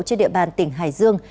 trên địa bàn tỉnh hải dương